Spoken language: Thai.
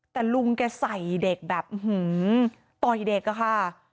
แต่ลุงแก่ใส่เด็กแบบอื้อหือต่อยเด็กอะค่ะ